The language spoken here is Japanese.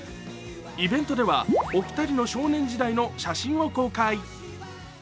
イベントではお二人の少年時代の写真を公開。